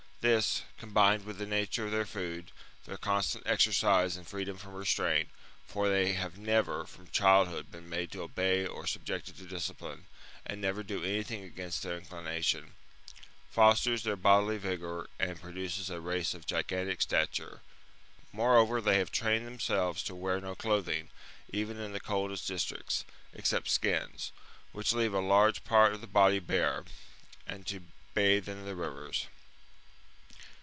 This, combined with the nature of their food, their constant exercise and freedom from restraint (for they have never, from childhood, been made to obey or subjected to discipline, and never do anything against their inclination), fosters their bodily vigour and produces a race of gigantic stature. Moreover, they have trained themselves to wear no clothing, even in the coldest districts, except skins, which leave a large part of the body bare, and to bathe in the rivers.